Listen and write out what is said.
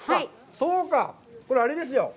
そうか、これは、あれですよ。